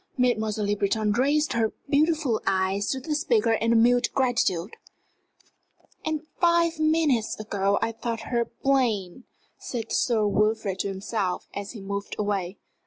Mademoiselle Le Breton raised her beautiful eyes to the speaker in a mute gratitude. "And five minutes ago I thought her plain!" said Sir Wilfrid to himself as he moved away.